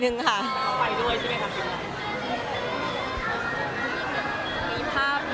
ก็คือพี่ที่อยู่เชียงใหม่พี่อธค่ะ